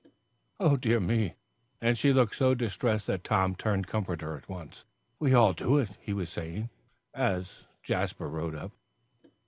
"O dear me!" and she looked so distressed that Tom turned comforter at once. "We all do it," he was saying, as Jasper rode up.